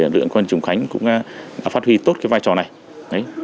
lực lượng quân trùng khánh cũng đã phát huy tốt cái vai trò này